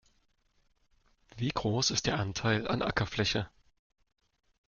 Wie groß ist der Anteil an Ackerfläche?